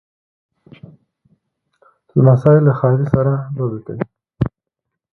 لمسی له خالې سره لوبې کوي.